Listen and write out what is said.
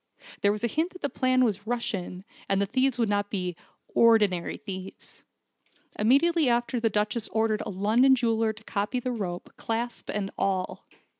There was a hint that the plan was Russian, and the thieves would not be 'ordinary thieves.' Immediately after the Duchess ordered a London jeweller to copy the rope, clasp and all.